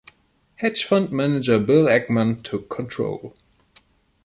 Hedge fund manager Bill Ackman took control.